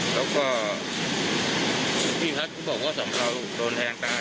แล้วก็พี่พัฒน์ก็บอกว่าสำเนาโดนแทงตาย